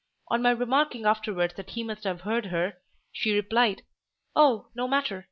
On my remarking afterwards that he must have heard her, she replied—"Oh, no matter!